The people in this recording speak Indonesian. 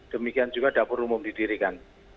demikian juga dapur umum didirikan